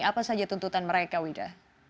apa saja tuntutan mereka wida